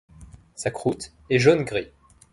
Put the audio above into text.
Sa croûte est jaune-gris.